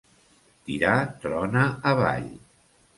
Tirar trona avall.